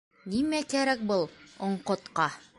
Нимә кәрәк был оңҡотҡа?